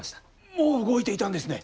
もう動いていたんですね。